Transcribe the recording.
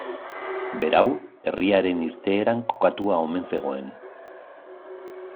Berau, herriaren irteeran kokatua omen zegoen.